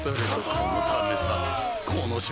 このためさ